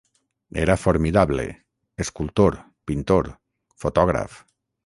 Era formidable: escultor, pintor, fotògraf.